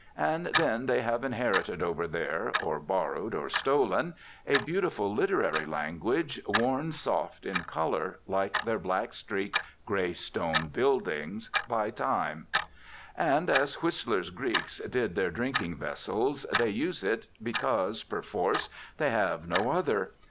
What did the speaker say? And then they have inherited over there, or borrowed or stolen, a beautiful literary language, worn soft in colour, like their black streaked, grey stone buildings, by time; and, as Whistler's Greeks did their drinking vessels, they use it because, perforce, they have no other.